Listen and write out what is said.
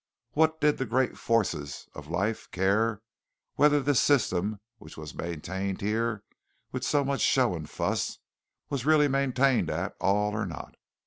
What did the great forces of life care whether this system which was maintained here with so much show and fuss was really maintained at all or not?